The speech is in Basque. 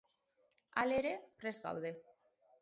Halere, prest gaude.